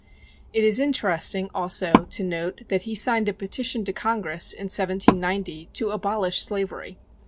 It is interesting, also, to note that he signed a petition to Congress, in 1790, to abolish slavery.